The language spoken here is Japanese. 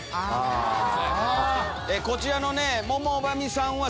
こちらの。